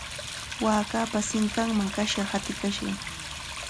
Waakapa sinqanman kasha hatikashqa.